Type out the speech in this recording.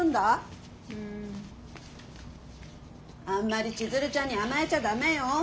あんまり千鶴ちゃんに甘えちゃ駄目よ。